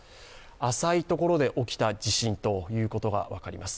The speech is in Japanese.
浅いところで起きた地震ということが分かります。